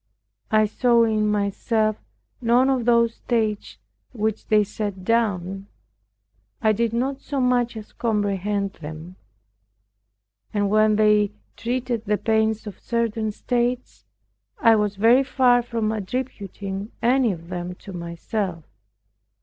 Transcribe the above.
I saw in myself none of those states which they set down. I did not so much as comprehend them. And when they treated the pains of certain states, I was very far from attributing any of them to myself.